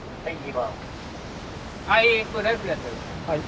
はい。